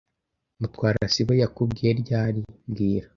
Mutwara sibo yakubwiye ryari mbwira